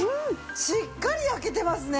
しっかり焼けてますね。